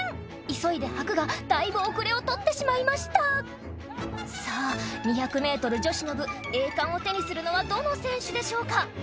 急いで履くがだいぶ遅れを取ってしまいましたさぁ２００ｍ女子の部栄冠を手にするのはどの選手でしょうか？